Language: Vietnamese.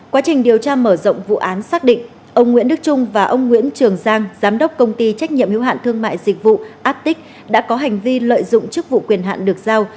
quá trình điều tra mở rộng vụ án xác định ông nguyễn đức trung và ông nguyễn trường giang giám đốc công ty trách nhiệm hiếu hạn thương mại dịch vụ atic đã có hành vi lợi dụng chức vụ quyền hạn được giao